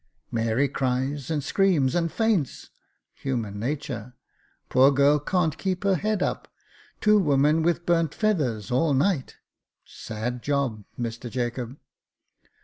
Mary cries, and screams, and faints — human natur — poor girl can't keep her head up — two women with burnt feathers all night. Sad job. Mister Jacob.